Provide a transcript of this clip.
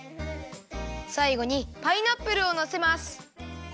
さいごにパイナップルをのせます。